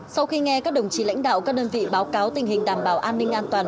sau khi nghe các đồng chí lãnh đạo các đơn vị báo cáo tình hình đảm bảo an ninh an toàn